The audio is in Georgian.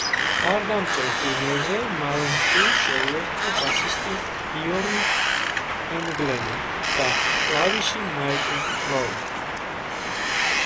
მხარდამჭერ ტურნეზე მალმსტინს შეუერთდა ბასისტი ბიორნ ენგლენი და კლავიში მაიკლ ტროი.